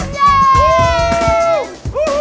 siap om j